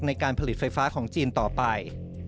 ในการผลิตไฟฟ้าของจีนต่อไป